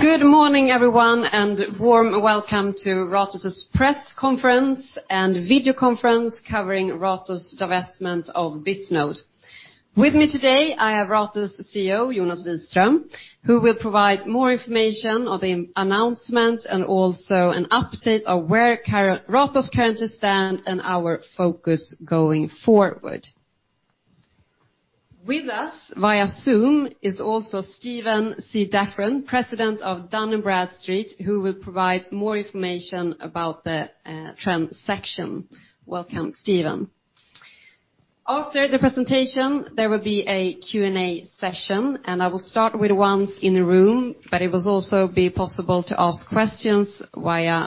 Good morning, everyone, and warm welcome to Ratos' press conference and video conference covering Ratos' divestment of Bisnode. With me today, I have Ratos' CEO, Jonas Wiström, who will provide more information on the announcement and also an update on where Ratos currently stands and our focus going forward. With us via Zoom is also Stephen C. Daffron, President of Dun & Bradstreet, who will provide more information about the transaction. Welcome, Stephen. After the presentation, there will be a Q&A session, and I will start with the ones in the room, but it will also be possible to ask questions via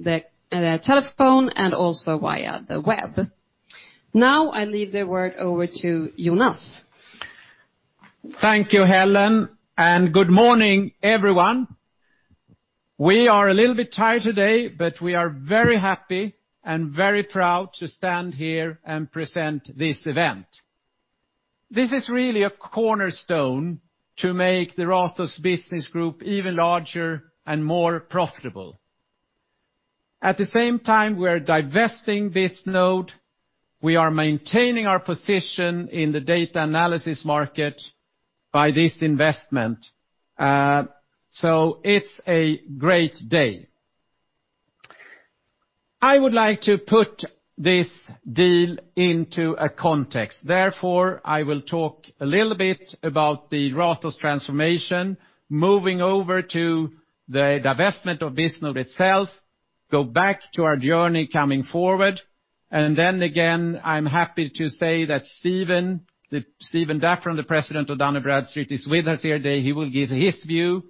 the telephone and also via the web. Now I leave the word over to Jonas. Thank you, Helene, and good morning, everyone. We are a little bit tired today, but we are very happy and very proud to stand here and present this event. This is really a cornerstone to make the Ratos business group even larger and more profitable. At the same time, we are divesting Bisnode. We are maintaining our position in the data analysis market by this investment. So it's a great day. I would like to put this deal into a context. Therefore, I will talk a little bit about the Ratos transformation, moving over to the divestment of Bisnode itself, go back to our journey coming forward, and then again, I'm happy to say that Stephen Daffron, the President of Dun & Bradstreet, is with us here today. He will give his view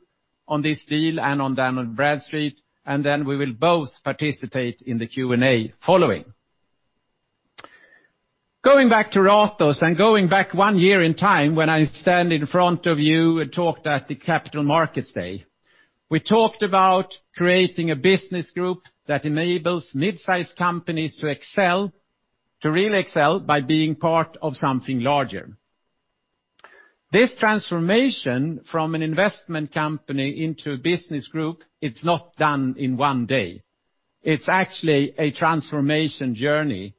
on this deal and on Dun & Bradstreet, and then we will both participate in the Q&A following. Going back to Ratos and going back one year in time when I stand in front of you and talked at the Capital Markets Day, we talked about creating a business group that enables mid-sized companies to excel, to really excel by being part of something larger. This transformation from an investment company into a business group, it's not done in one day. It's actually a transformation journey.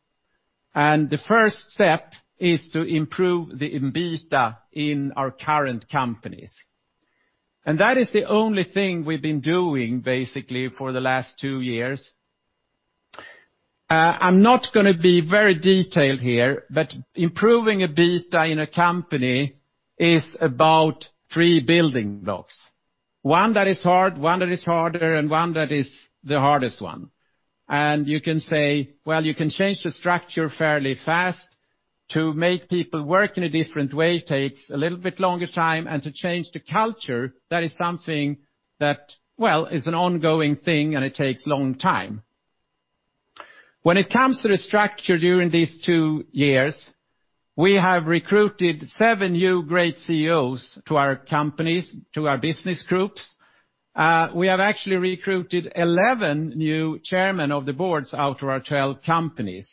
And the first step is to improve the EBITDA in our current companies. And that is the only thing we've been doing basically for the last two years. I'm not going to be very detailed here, but improving EBITDA in a company is about three building blocks. One that is hard, one that is harder, and one that is the hardest one and you can say, well, you can change the structure fairly fast. To make people work in a different way takes a little bit longer time, and to change the culture, that is something that, well, is an ongoing thing and it takes a long time. When it comes to the structure during these two years, we have recruited seven new great CEOs to our companies, to our business groups. We have actually recruited 11 new chairmen of the boards out of our 12 companies.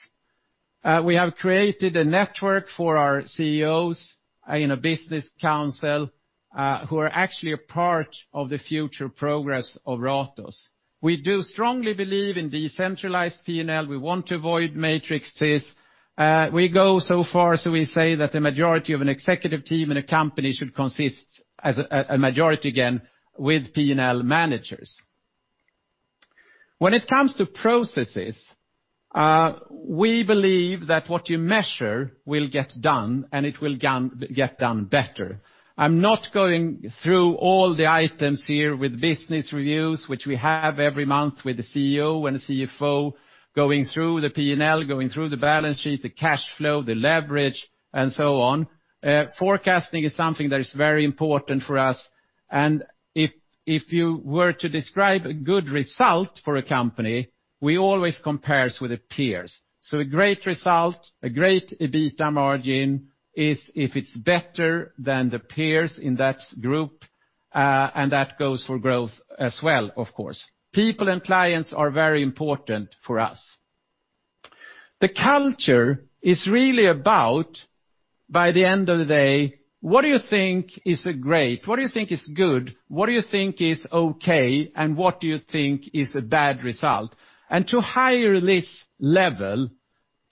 We have created a network for our CEOs in a business council who are actually a part of the future progress of Ratos. We do strongly believe in decentralized P&L. We want to avoid matrices. We go so far as to say that the majority of an executive team in a company should consist as a majority again with P&L managers. When it comes to processes, we believe that what you measure will get done and it will get done better. I'm not going through all the items here with business reviews, which we have every month with the CEO and the CFO going through the P&L, going through the balance sheet, the cash flow, the leverage, and so on. Forecasting is something that is very important for us, and if you were to describe a good result for a company, we always compare it with its peers, so a great result, a great EBITDA margin is if it's better than the peers in that group, and that goes for growth as well, of course. People and clients are very important for us. The culture is really about, by the end of the day, what do you think is great? What do you think is good? What do you think is okay? And what do you think is a bad result? And to hire this level,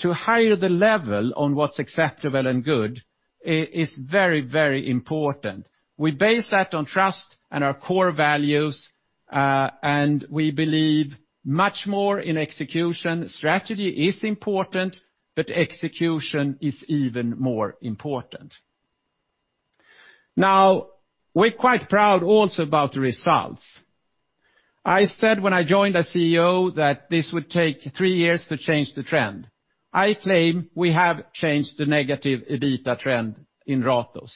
to hire the level on what's acceptable and good is very, very important. We base that on trust and our core values, and we believe much more in execution. Strategy is important, but execution is even more important. Now, we're quite proud also about the results. I said when I joined as CEO that this would take three years to change the trend. I claim we have changed the negative EBITDA trend in Ratos.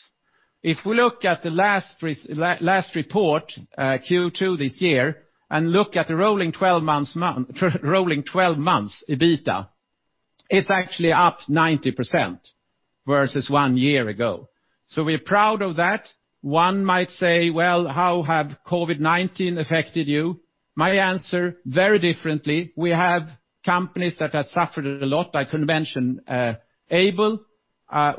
If we look at the last report, Q2 this year, and look at the rolling 12 months' EBITDA, it's actually up 90% versus one year ago. So we're proud of that. One might say, well, how has COVID-19 affected you? My answer, very differently. We have companies that have suffered a lot. I couldn't mention Aibel.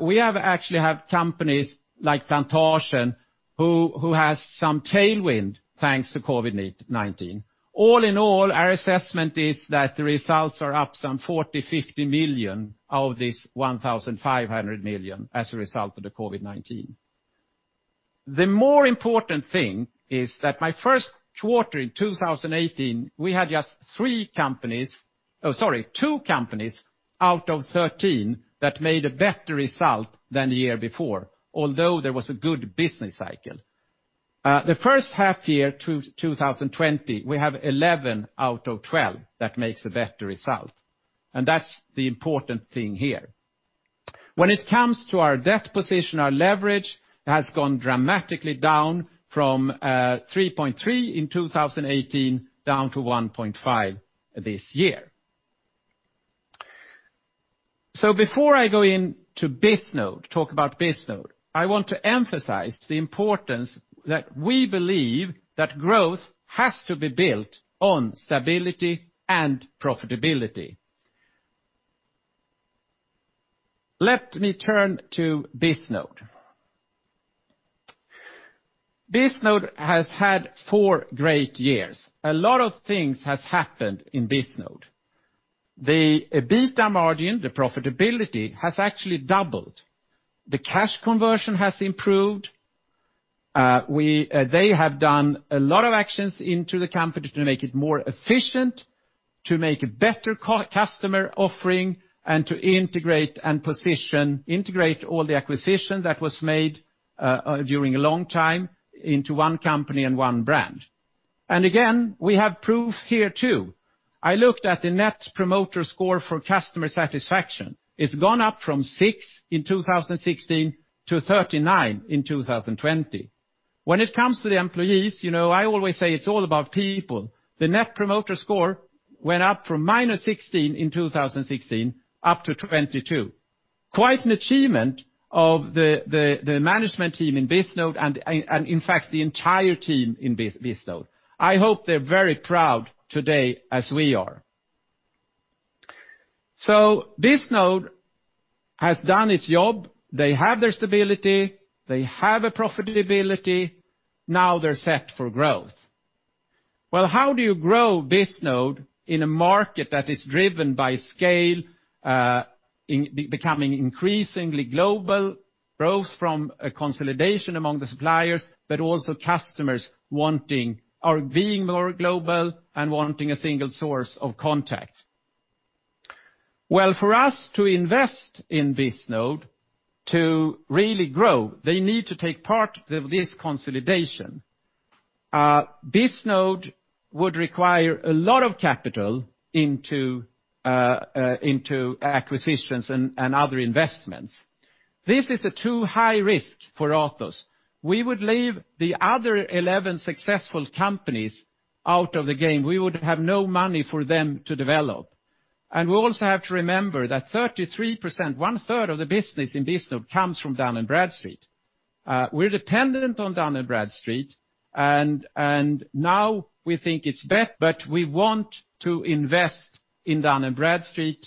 We actually have companies like Plantasjen who have some tailwind thanks to COVID-19. All in all, our assessment is that the results are up some 40 million-50 million out of this 1,500 million as a result of the COVID-19. The more important thing is that my first quarter in 2018, we had just three companies, oh, sorry, two companies out of 13 that made a better result than the year before, although there was a good business cycle. The first half year to 2020, we have 11 out of 12 that make a better result. And that's the important thing here. When it comes to our debt position, our leverage has gone dramatically down from 3.3 in 2018 down to 1.5 this year. So before I go into Bisnode, talk about Bisnode, I want to emphasize the importance that we believe that growth has to be built on stability and profitability. Let me turn to Bisnode. Bisnode has had four great years. A lot of things have happened in Bisnode. The EBITDA margin, the profitability, has actually doubled. The cash conversion has improved. They have done a lot of actions into the company to make it more efficient, to make a better customer offering, and to integrate and position, integrate all the acquisitions that were made during a long time into one company and one brand. And again, we have proof here too. I looked at the Net Promoter Score for customer satisfaction. It's gone up from six in 2016 to 39 in 2020. When it comes to the employees, you know I always say it's all about people. The Net Promoter Score went up from -16 in 2016 up to 22. Quite an achievement of the management team in Bisnode and, in fact, the entire team in Bisnode. I hope they're very proud today as we are. So Bisnode has done its job. They have their stability. They have a profitability. Now they're set for growth. Well, how do you grow Bisnode in a market that is driven by scale, becoming increasingly global, growth from a consolidation among the suppliers, but also customers wanting or being more global and wanting a single source of contact? Well, for us to invest in Bisnode, to really grow, they need to take part of this consolidation. Bisnode would require a lot of capital into acquisitions and other investments. This is too high risk for Ratos. We would leave the other 11 successful companies out of the game. We would have no money for them to develop. And we also have to remember that 33%, 1/3 of the business in Bisnode comes from Dun & Bradstreet. We're dependent on Dun & Bradstreet. And now we think it's better, but we want to invest in Dun & Bradstreet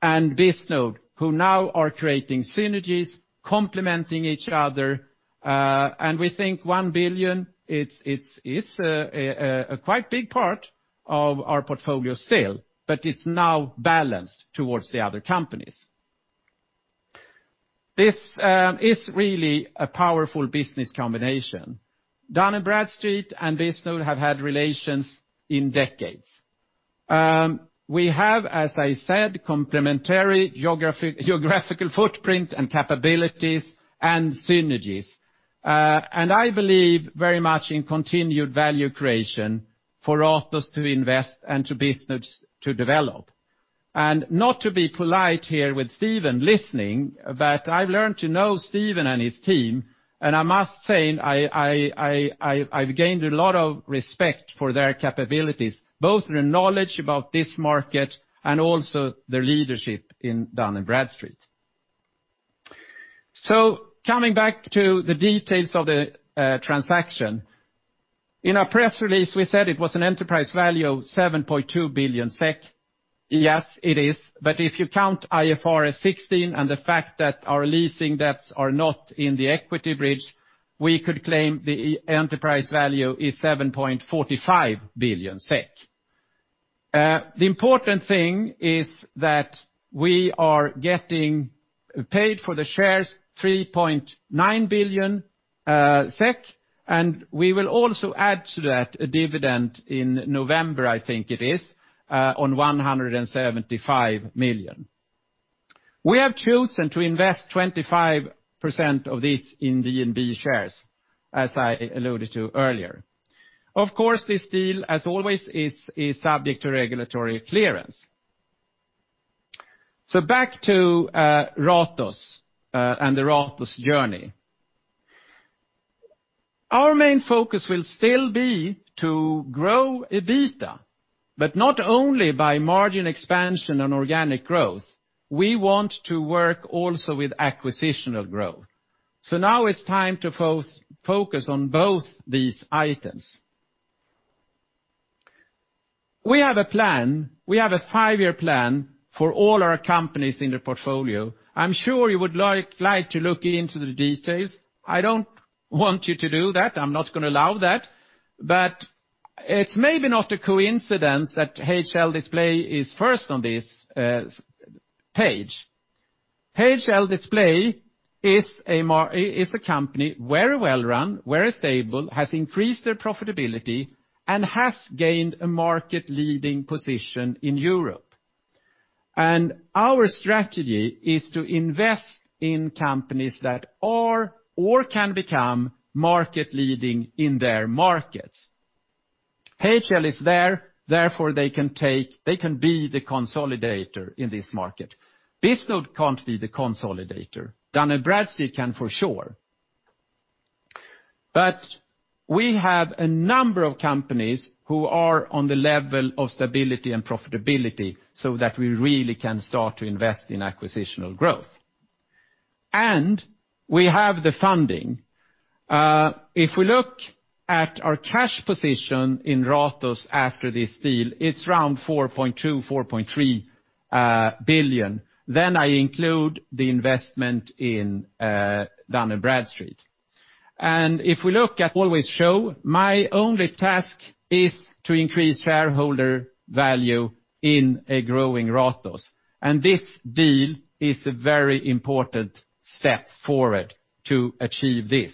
and Bisnode, who now are creating synergies, complementing each other. And we think 1 billion, it's a quite big part of our portfolio still, but it's now balanced towards the other companies. This is really a powerful business combination. Dun & Bradstreet and Bisnode have had relations for decades. We have, as I said, complementary geographical footprint and capabilities and synergies. And I believe very much in continued value creation for Ratos to invest and to Bisnode to develop. And not to be polite here with Stephen listening, but I've learned to know Stephen and his team. I must say I've gained a lot of respect for their capabilities, both their knowledge about this market and also their leadership in Dun & Bradstreet. So coming back to the details of the transaction, in our press release, we said it was an enterprise value of 7.2 billion SEK. Yes, it is. But if you count IFRS 16 and the fact that our leasing debts are not in the equity bridge, we could claim the enterprise value is 7.45 billion SEK. The important thing is that we are getting paid for the shares 3.9 billion SEK. And we will also add to that a dividend in November, I think it is, on 175 million. We have chosen to invest 25% of these in D&B shares, as I alluded to earlier. Of course, this deal, as always, is subject to regulatory clearance. Back to Ratos and the Ratos journey. Our main focus will still be to grow EBITDA, but not only by margin expansion and organic growth. We want to work also with acquisitional growth. Now it's time to focus on both these items. We have a plan. We have a five-year plan for all our companies in the portfolio. I'm sure you would like to look into the details. I don't want you to do that. I'm not going to allow that. But it's maybe not a coincidence that HL Display is first on this page. HL Display is a company very well run, very stable, has increased their profitability, and has gained a market-leading position in Europe. Our strategy is to invest in companies that are or can become market-leading in their markets. HL is there. Therefore, they can be the consolidator in this market. Bisnode can't be the consolidator. Dun & Bradstreet can for sure. But we have a number of companies who are on the level of stability and profitability so that we really can start to invest in acquisitive growth. And we have the funding. If we look at our cash position in Ratos after this deal, it's around 4.2 billion-4.3 billion. Then I include the investment in Dun & Bradstreet. And if we look at. As you know, my only task is to increase shareholder value in a growing Ratos. And this deal is a very important step forward to achieve this.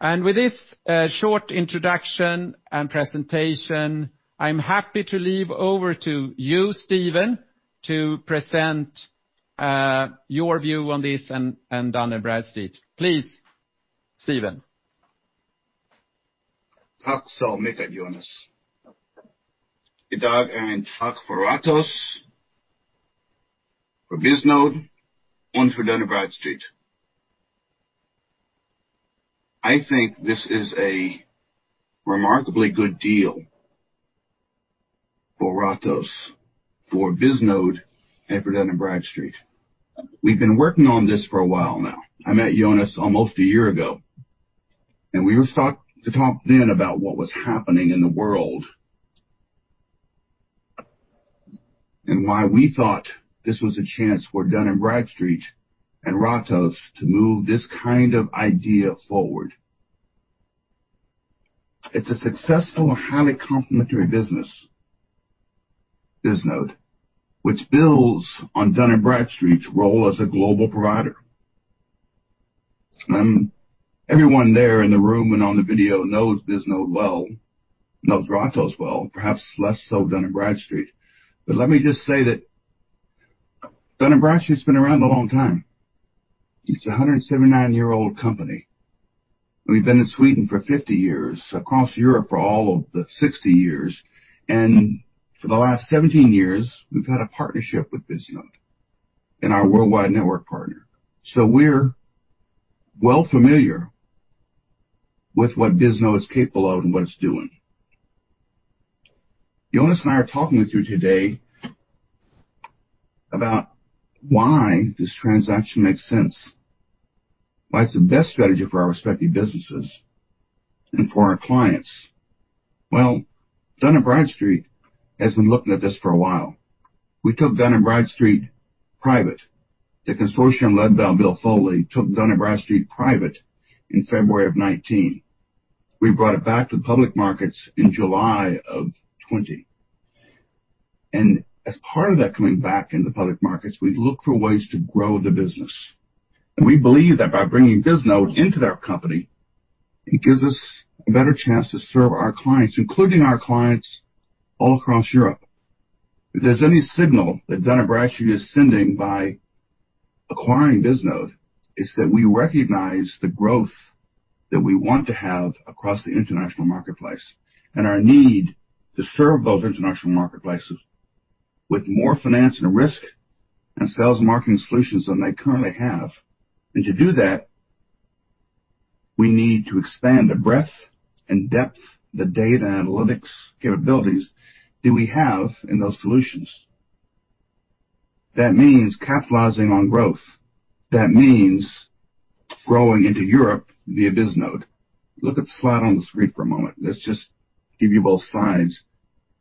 And with this short introduction and presentation, I'm happy to hand over to you, Stephen, to present your view on this and Dun & Bradstreet. Please, Stephen. Thanks so much, Jonas. I'd like to thank Ratos for Bisnode and for Dun & Bradstreet. I think this is a remarkably good deal for Ratos, for Bisnode, and for Dun & Bradstreet. We've been working on this for a while now. I met Jonas almost a year ago, and we were talking then about what was happening in the world and why we thought this was a chance for Dun & Bradstreet and Ratos to move this kind of idea forward. It's a successful and highly complementary business, Bisnode, which builds on Dun & Bradstreet's role as a global provider, and everyone there in the room and on the video knows Bisnode well, knows Ratos well, perhaps less so Dun & Bradstreet, but let me just say that Dun & Bradstreet's been around a long time. It's a 179-year-old company. We've been in Sweden for 50 years, across Europe for all of the 60 years. And for the last 17 years, we've had a partnership with Bisnode and our worldwide network partner. So we're well familiar with what Bisnode is capable of and what it's doing. Jonas and I are talking with you today about why this transaction makes sense, why it's the best strategy for our respective businesses and for our clients. Well, Dun & Bradstreet has been looking at this for a while. We took Dun & Bradstreet private. The consortium led by Bill Foley took Dun & Bradstreet private in February of 2019. We brought it back to the public markets in July of 2020. And as part of that coming back into the public markets, we look for ways to grow the business. And we believe that by bringing Bisnode into their company, it gives us a better chance to serve our clients, including our clients all across Europe. If there's any signal that Dun & Bradstreet is sending by acquiring Bisnode, it's that we recognize the growth that we want to have across the international marketplace and our need to serve those international marketplaces with more finance and risk and sales and marketing solutions than they currently have. And to do that, we need to expand the breadth and depth, the data and analytics capabilities that we have in those solutions. That means capitalizing on growth. That means growing into Europe via Bisnode. Look at the slide on the screen for a moment. Let's just give you both sides.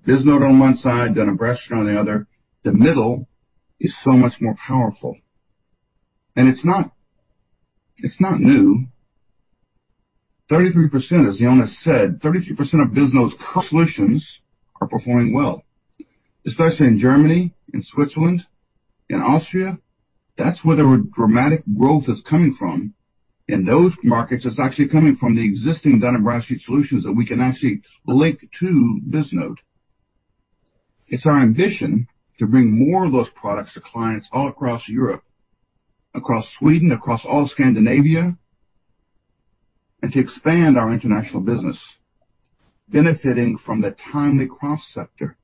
Bisnode on one side, Dun & Bradstreet on the other. The middle is so much more powerful. And it's not new. 33%, as Jonas said, 33% of Bisnode's solutions are performing well, especially in Germany, in Switzerland, in Austria. That's where the dramatic growth is coming from. In those markets, it's actually coming from the existing Dun & Bradstreet solutions that we can actually link to Bisnode. It's our ambition to bring more of those products to clients all across Europe, across Sweden, across all Scandinavia, and to expand our international business, benefiting from the timely cross-sector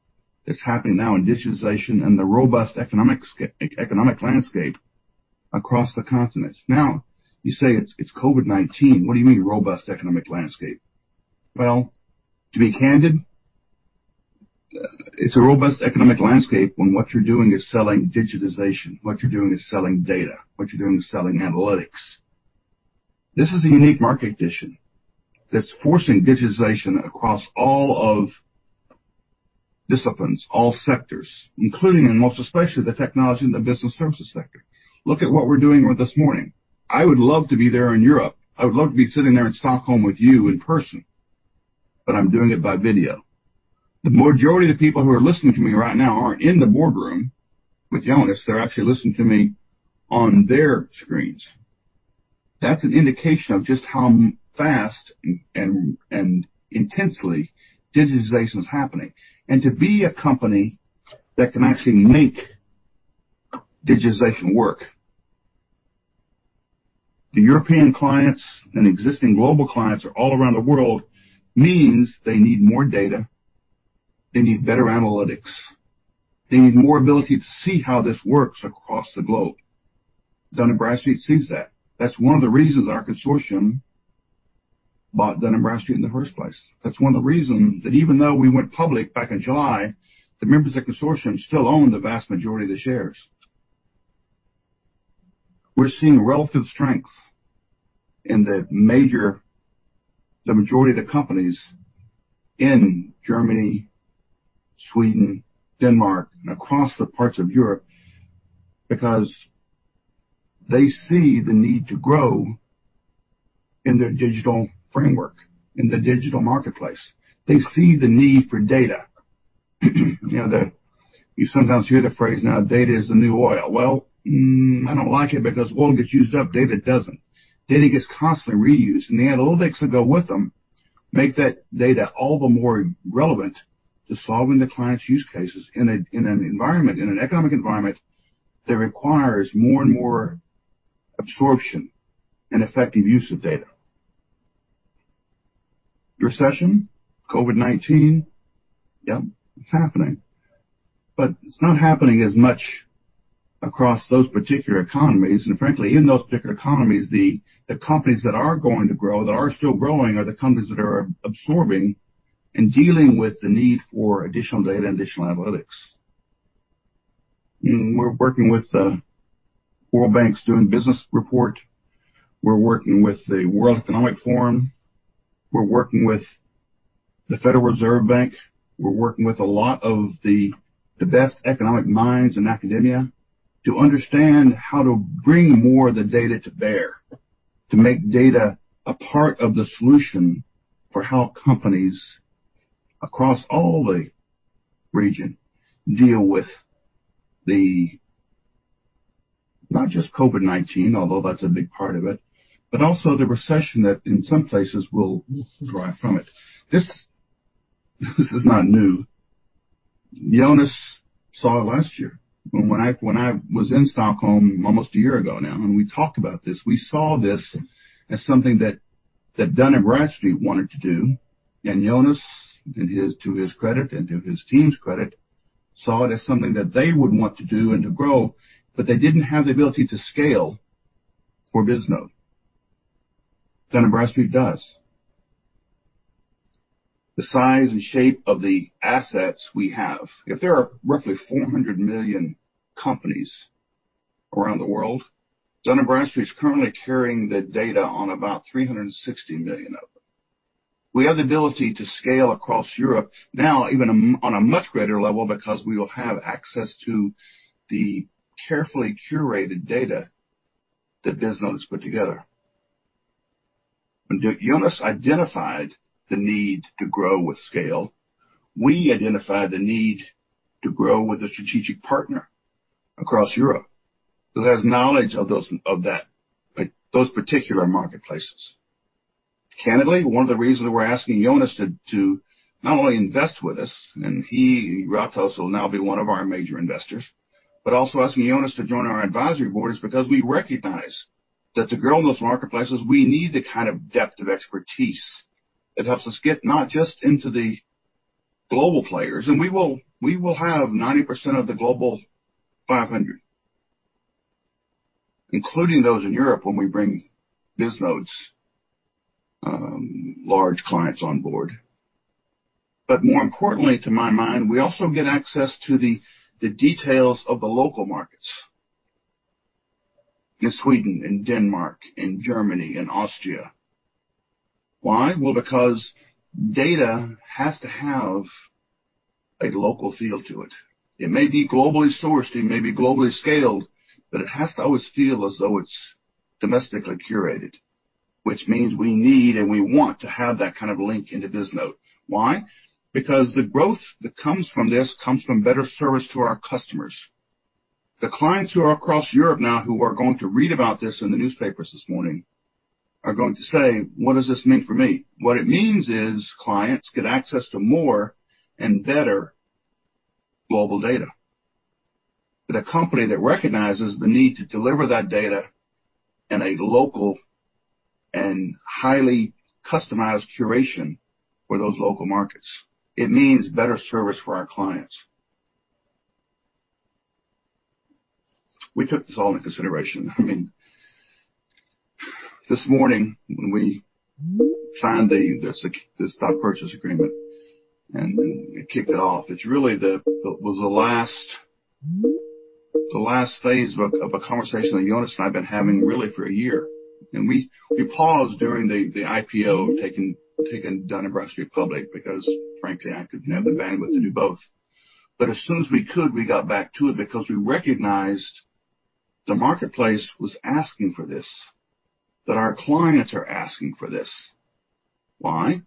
that's happening now in digitalization and the robust economic landscape across the continent. Now, you say it's COVID-19. What do you mean robust economic landscape? Well, to be candid, it's a robust economic landscape when what you're doing is selling digitization. What you're doing is selling data. What you're doing is selling analytics. This is a unique market condition that's forcing digitization across all of disciplines, all sectors, including and most especially the technology and the business services sector. Look at what we're doing this morning. I would love to be there in Europe. I would love to be sitting there in Stockholm with you in person, but I'm doing it by video. The majority of the people who are listening to me right now aren't in the boardroom with Jonas. They're actually listening to me on their screens. That's an indication of just how fast and intensely digitization is happening, and to be a company that can actually make digitization work, the European clients and existing global clients are all around the world, means they need more data. They need better analytics. They need more ability to see how this works across the globe. Dun & Bradstreet sees that. That's one of the reasons our consortium bought Dun & Bradstreet in the first place. That's one of the reasons that even though we went public back in July, the members of the consortium still own the vast majority of the shares. We're seeing relative strength in the majority of the companies in Germany, Sweden, Denmark, and across the parts of Europe because they see the need to grow in their digital framework, in the digital marketplace. They see the need for data. You sometimes hear the phrase now, "Data is the new oil." Well, I don't like it because oil gets used up. Data doesn't. Data gets constantly reused. And the analytics that go with them make that data all the more relevant to solving the client's use cases in an environment, in an economic environment that requires more and more absorption and effective use of data. Recession, COVID-19, yep, it's happening. But it's not happening as much across those particular economies. Frankly, in those particular economies, the companies that are going to grow, that are still growing, are the companies that are absorbing and dealing with the need for additional data and additional analytics. We're working with the World Bank's Doing Business Report. We're working with the World Economic Forum. We're working with the Federal Reserve Bank. We're working with a lot of the best economic minds and academia to understand how to bring more of the data to bear, to make data a part of the solution for how companies across all the region deal with not just COVID-19, although that's a big part of it, but also the recession that in some places will derive from it. This is not new. Jonas saw it last year. When I was in Stockholm almost a year ago now, and we talked about this, we saw this as something that Dun & Bradstreet wanted to do, and Jonas, to his credit and to his team's credit, saw it as something that they would want to do and to grow, but they didn't have the ability to scale for Bisnode. Dun & Bradstreet does. The size and shape of the assets we have, if there are roughly 400 million companies around the world, Dun & Bradstreet is currently carrying the data on about 360 million of them. We have the ability to scale across Europe now, even on a much greater level, because we will have access to the carefully curated data that Bisnode has put together. Jonas identified the need to grow with scale. We identified the need to grow with a strategic partner across Europe who has knowledge of those particular marketplaces. Candidly, one of the reasons we're asking Jonas to not only invest with us, and he, Ratos, will now be one of our major investors, but also asking Jonas to join our advisory board is because we recognize that to grow in those marketplaces, we need the kind of depth of expertise that helps us get not just into the global players, and we will have 90% of the Global 500, including those in Europe when we bring Bisnode's large clients on board, but more importantly, to my mind, we also get access to the details of the local markets in Sweden, in Denmark, in Germany, in Austria. Why? Well, because data has to have a local feel to it. It may be globally sourced. It may be globally scaled, but it has to always feel as though it's domestically curated, which means we need and we want to have that kind of link into Bisnode. Why? Because the growth that comes from this comes from better service to our customers. The clients who are across Europe now, who are going to read about this in the newspapers this morning, are going to say, "What does this mean for me?" What it means is clients get access to more and better global data. The company that recognizes the need to deliver that data in a local and highly customized curation for those local markets. It means better service for our clients. We took this all into consideration. I mean, this morning, when we signed the stock purchase agreement and kicked it off, it really was the last phase of a conversation that Jonas and I have been having really for a year. And we paused during the IPO, taking Dun & Bradstreet public because, frankly, I couldn't have the bandwidth to do both. But as soon as we could, we got back to it because we recognized the marketplace was asking for this, that our clients are asking for this. Why?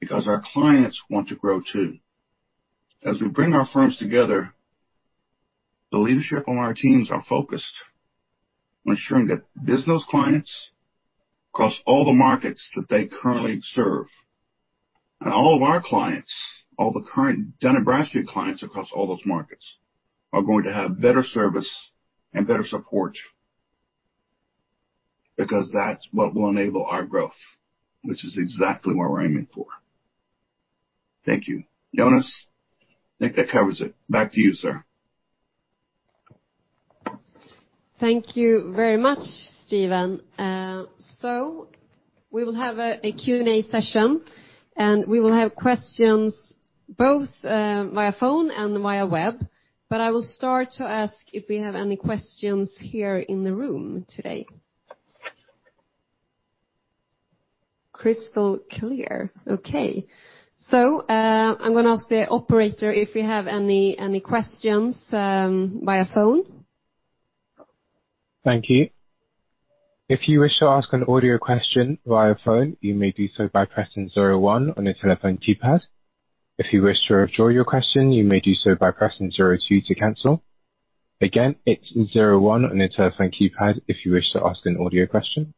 Because our clients want to grow too. As we bring our firms together, the leadership on our teams are focused on ensuring that Bisnode's clients across all the markets that they currently serve, and all of our clients, all the current Dun & Bradstreet clients across all those markets, are going to have better service and better support because that's what will enable our growth, which is exactly what we're aiming for. Thank you. Jonas, I think that covers it. Back to you, sir. Thank you very much, Stephen. So we will have a Q&A session, and we will have questions both via phone and via web. But I will start to ask if we have any questions here in the room today. Crystal clear. Okay. So I'm going to ask the operator if we have any questions via phone. Thank you. If you wish to ask an audio question via phone, you may do so by pressing zero one on your telephone keypad. If you wish to withdraw your question, you may do so by pressing zero two to cancel. Again, it's zero one on your telephone keypad if you wish to ask an audio question.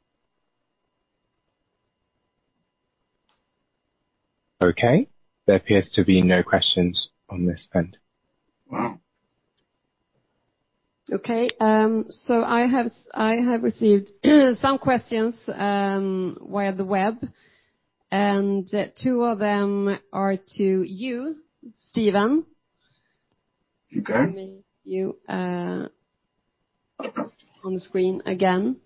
Okay. There appears to be no questions on this end. Okay. So I have received some questions via the web, and two of them are to you, Stephen. You can see me on the screen again.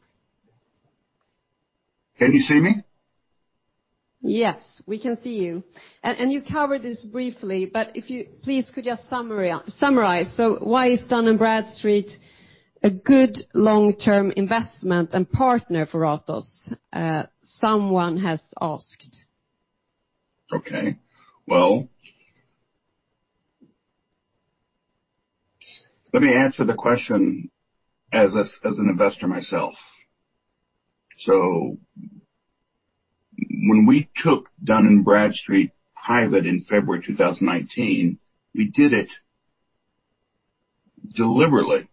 Can you see me? Yes, we can see you. And you covered this briefly, but please could you summarize? So why is Dun & Bradstreet a good long-term investment and partner for Ratos? Someone has asked. Okay. Well, let me answer the question as an investor myself. So when we took Dun & Bradstreet private in February 2019, we did it deliberately,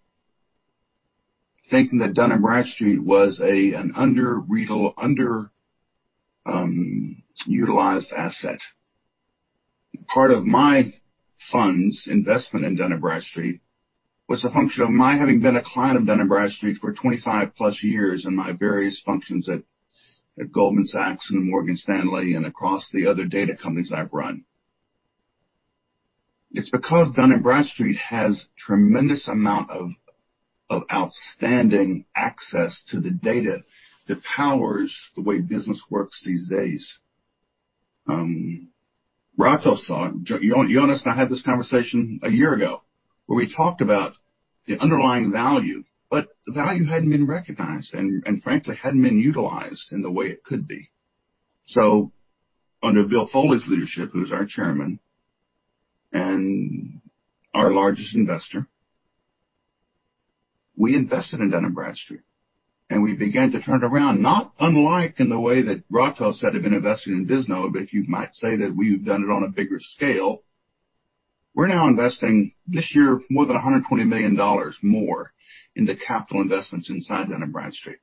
thinking that Dun & Bradstreet was an underutilized asset. Part of my funds investment in Dun & Bradstreet was a function of my having been a client of Dun & Bradstreet for 25+ years and my various functions at Goldman Sachs and Morgan Stanley and across the other data companies I've run. It's because Dun & Bradstreet has a tremendous amount of outstanding access to the data that powers the way business works these days. Jonas and I had this conversation a year ago where we talked about the underlying value, but the value hadn't been recognized and, frankly, hadn't been utilized in the way it could be. Under Bill Foley's leadership, who's our chairman and our largest investor, we invested in Dun & Bradstreet, and we began to turn it around, not unlike in the way that Ratos had been investing in Bisnode, but if you might say that we've done it on a bigger scale, we're now investing this year more than $120 million more into capital investments inside Dun & Bradstreet.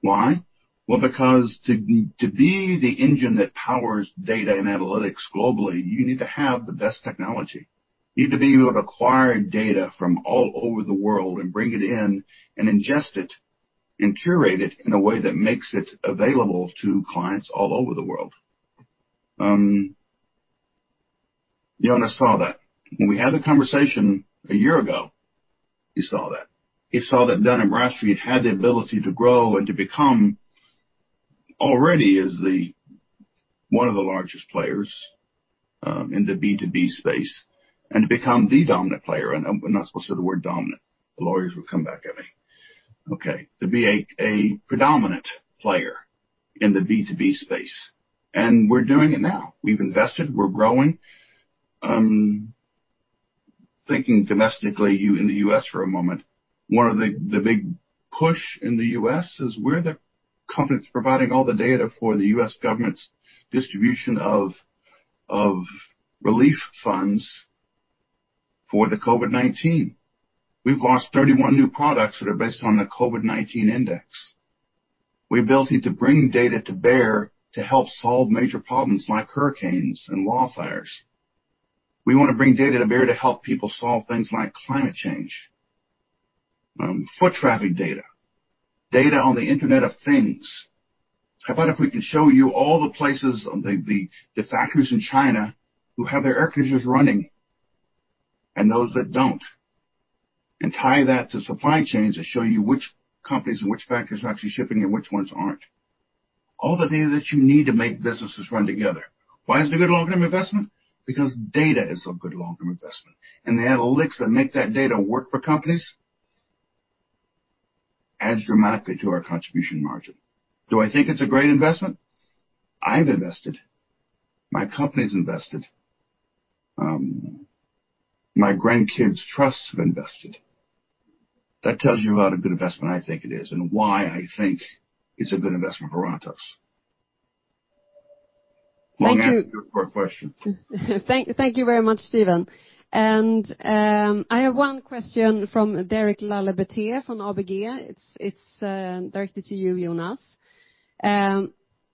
Why? Well, because to be the engine that powers data and analytics globally, you need to have the best technology. You need to be able to acquire data from all over the world and bring it in and ingest it and curate it in a way that makes it available to clients all over the world. Jonas saw that. When we had the conversation a year ago, he saw that. He saw that Dun & Bradstreet had the ability to grow and to become already one of the largest players in the B2B space and to become the dominant player, and I'm not supposed to say the word dominant. The lawyers will come back at me. Okay, to be a predominant player in the B2B space, and we're doing it now. We've invested. We're growing. Thinking domestically, in the U.S. for a moment, one of the big pushes in the U.S. is we're the company that's providing all the data for the U.S. government's distribution of relief funds for the COVID-19. We've launched 31 new products that are based on the COVID-19 index. We have the ability to bring data to bear to help solve major problems like hurricanes and wildfires. We want to bring data to bear to help people solve things like climate change, foot traffic data, data on the Internet of Things. How about if we can show you all the places, the factories in China who have their air conditioners running and those that don't, and tie that to supply chains and show you which companies and which factories are actually shipping and which ones aren't? All the data that you need to make businesses run together. Why is it a good long-term investment? Because data is a good long-term investment, and the analytics that make that data work for companies adds dramatically to our contribution margin. Do I think it's a great investment? I've invested. My company's invested. My grandkids' trusts have invested. That tells you about a good investment I think it is and why I think it's a good investment for Ratos. Thank you. Long answer for a question. Thank you very much, Stephen, and I have one question from Derek Laliberte from ABG. It's directed to you, Jonas.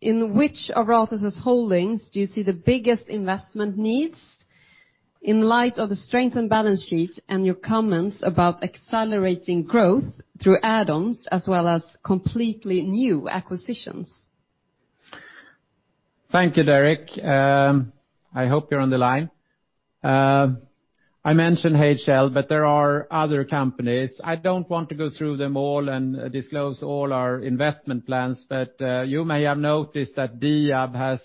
In which of Ratos' holdings do you see the biggest investment needs in light of the strength and balance sheet and your comments about accelerating growth through add-ons as well as completely new acquisitions? Thank you, Derek. I hope you're on the line. I mentioned HL, but there are other companies. I don't want to go through them all and disclose all our investment plans, but you may have noticed that Diab has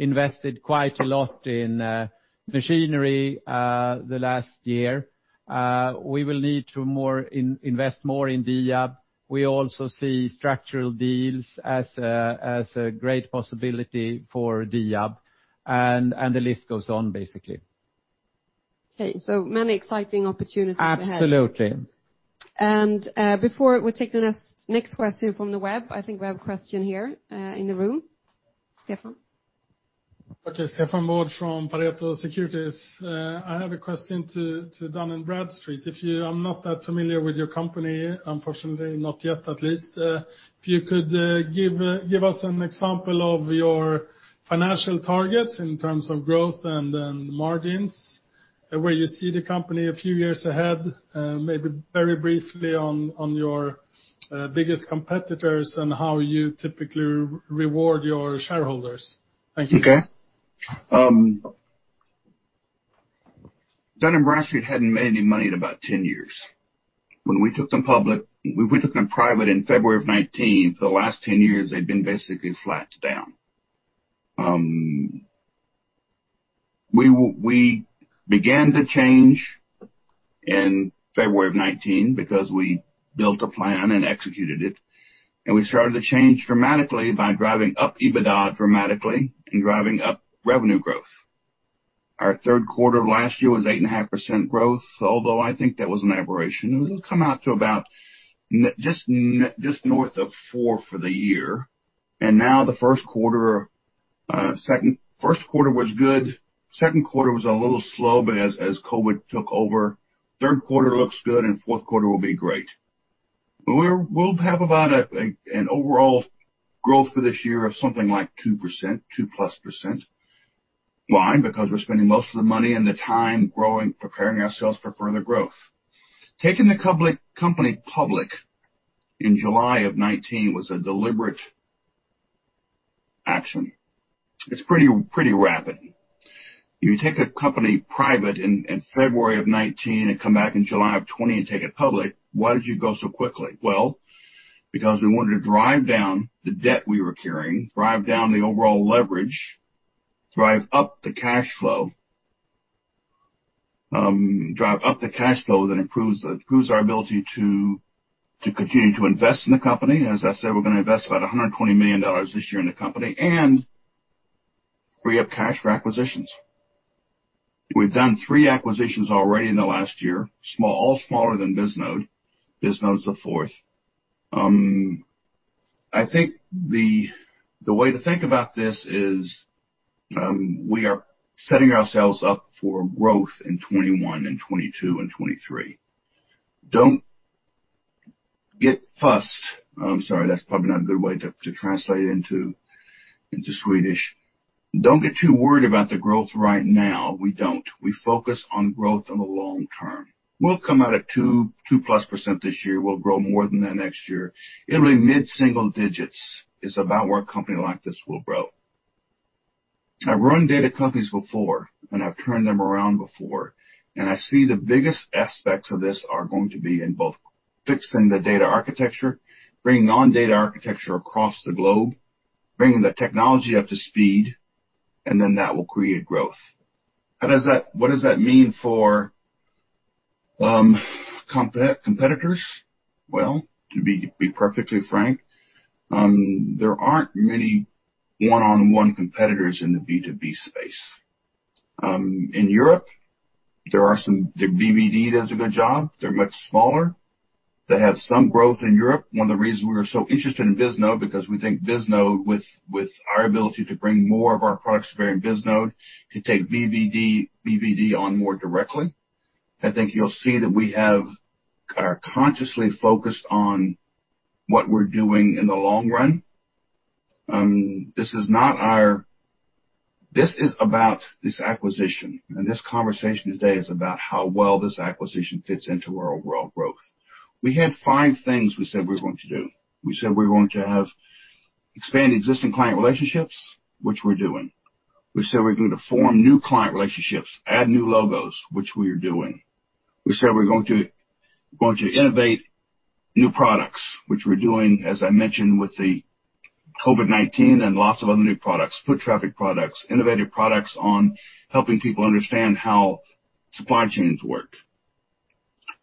invested quite a lot in machinery the last year. We will need to invest more in Diab. We also see structural deals as a great possibility for Diab, and the list goes on, basically. Okay, so many exciting opportunities ahead. Absolutely. And before we take the next question from the web, I think we have a question here in the room. Stefan. Okay. Stefan Wård from Pareto Securities. I have a question to Dun & Bradstreet. If you're not that familiar with your company, unfortunately, not yet at least, if you could give us an example of your financial targets in terms of growth and margins, where you see the company a few years ahead, maybe very briefly on your biggest competitors and how you typically reward your shareholders. Thank you. Okay. Dun & Bradstreet hadn't made any money in about 10 years. When we took them public, we took them private in February of 2019. For the last 10 years, they've been basically flat down. We began the change in February of 2019 because we built a plan and executed it. And we started the change dramatically by driving up EBITDA dramatically and driving up revenue growth. Our third quarter of last year was 8.5% growth, although I think that was an aberration. It will come out to about just north of 4% for the year. And now the first quarter was good. Second quarter was a little slow, but as COVID took over, third quarter looks good, and fourth quarter will be great. We'll have about an overall growth for this year of something like 2%, 2+%. Why? Because we're spending most of the money and the time preparing ourselves for further growth. Taking the company public in July of 2019 was a deliberate action. It's pretty rapid. You take a company private in February of 2019 and come back in July of 2020 and take it public, why did you go so quickly? Because we wanted to drive down the debt we were carrying, drive down the overall leverage, drive up the cash flow, drive up the cash flow that improves our ability to continue to invest in the company. As I said, we're going to invest about $120 million this year in the company and free up cash for acquisitions. We've done three acquisitions already in the last year, all smaller than Bisnode. Bisnode is the fourth. I think the way to think about this is we are setting ourselves up for growth in 2021 and 2022 and 2023. Don't get fussed. I'm sorry. That's probably not a good way to translate into Swedish. Don't get too worried about the growth right now. We don't. We focus on growth in the long term. We'll come out at 2+% this year. We'll grow more than that next year. It'll be mid-single digits, is about where a company like this will grow. I've run data companies before, and I've turned them around before. And I see the biggest aspects of this are going to be in both fixing the data architecture, bringing on data architecture across the globe, bringing the technology up to speed, and then that will create growth. What does that mean for competitors? Well, to be perfectly frank, there aren't many one-on-one competitors in the B2B space. In Europe, there are some BvD that does a good job. They're much smaller. They have some growth in Europe. One of the reasons we were so interested in Bisnode is because we think Bisnode, with our ability to bring more of our products to bear in Bisnode, could take BvD on more directly. I think you'll see that we have consciously focused on what we're doing in the long run. This is about this acquisition and this conversation today is about how well this acquisition fits into our overall growth. We had five things we said we were going to do. We said we were going to expand existing client relationships, which we're doing. We said we're going to form new client relationships, add new logos, which we are doing. We said we're going to innovate new products, which we're doing, as I mentioned, with the COVID-19 and lots of other new products, foot traffic products, innovative products on helping people understand how supply chains work.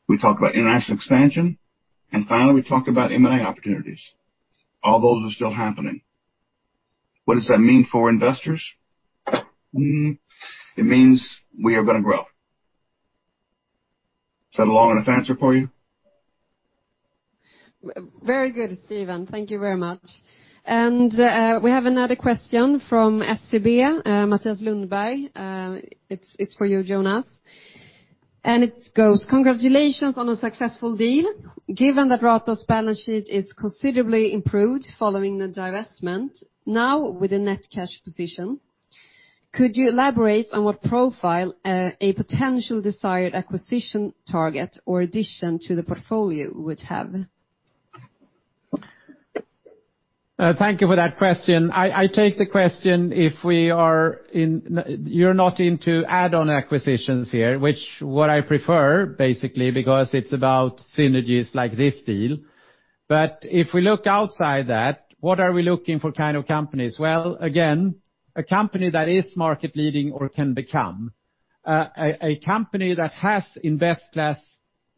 We talked about international expansion. And finally, we talked about M&A opportunities. All those are still happening. What does that mean for investors? It means we are going to grow. Is that a long enough answer for you? Very good, Stephen. Thank you very much. And we have another question from SEB, Mathias Lundberg. It's for you, Jonas. And it goes, "Congratulations on a successful deal. Given that Ratos' balance sheet is considerably improved following the divestment, now with a net cash position, could you elaborate on what profile a potential desired acquisition target or addition to the portfolio would have?" Thank you for that question. I'll take the question if we're not into add-on acquisitions here, which is what I prefer, basically, because it's about synergies like this deal. But if we look outside that, what are we looking for kind of companies? Well, again, a company that is market-leading or can become, a company that has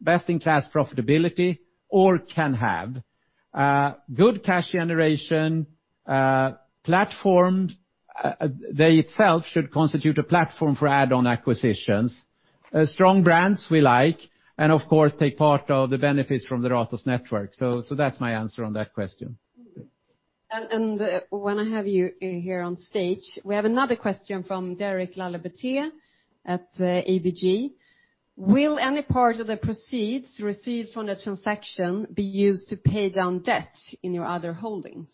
best-in-class profitability or can have, good cash generation, platformed; it itself should constitute a platform for add-on acquisitions. Strong brands we like, and of course, take part of the benefits from the Ratos network. So that's my answer on that question. And when I have you here on stage, we have another question from Derek Laliberte at ABG. Will any part of the proceeds received from the transaction be used to pay down debt in your other holdings?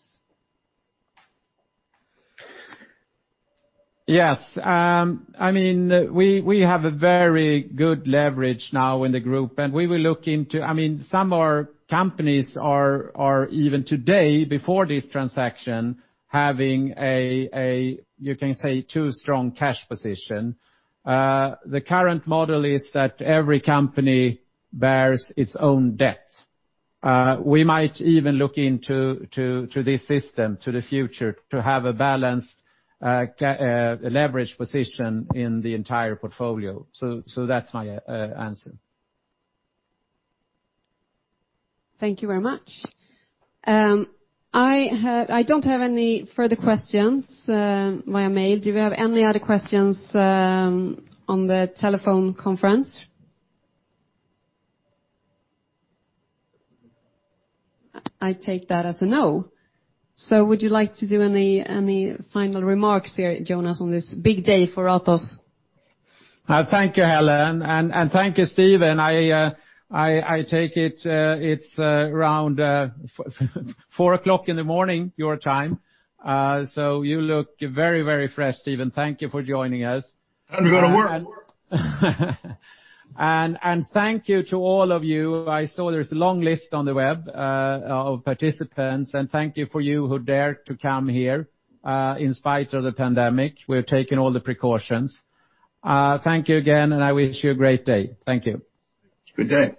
Yes. I mean, we have a very good leverage now in the group, and we will look into I mean, some of our companies are even today, before this transaction, having a, you can say, too strong cash position. The current model is that every company bears its own debt. We might even look into this system to the future to have a balanced leverage position in the entire portfolio. So that's my answer. Thank you very much. I don't have any further questions via mail. Do we have any other questions on the telephone conference? I take that as a no. So would you like to do any final remarks here, Jonas, on this big day for Ratos? Thank you, Helene, and thank you, Stephen. I take it it's around 4:00 A.M. your time. So you look very, very fresh, Stephen. Thank you for joining us. And good work. And thank you to all of you. I saw there's a long list on the web of participants, and thank you for you who dared to come here in spite of the pandemic. We're taking all the precautions. Thank you again, and I wish you a great day. Thank you. Good day.